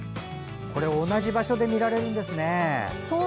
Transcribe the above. これ、同じ場所で見られるんですね。